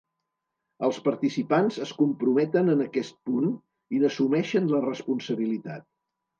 Els participants es comprometen en aquest punt i n'assumeixen la responsabilitat.